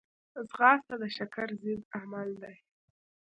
ځغاسته د شکر ضد عمل دی